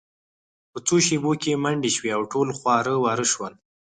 په څو شیبو کې منډې شوې او ټول خواره واره شول